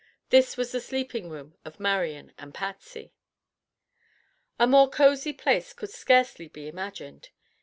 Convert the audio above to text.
This was the sleeping room of Marian and Patsy. A more cozy place could scarcely be imagined.